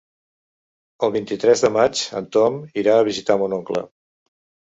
El vint-i-tres de maig en Tom irà a visitar mon oncle.